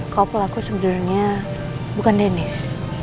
kau pelaku sebenernya bukan dennis